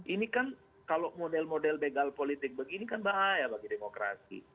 ini kan kalau model model begal politik begini kan bahaya bagi demokrasi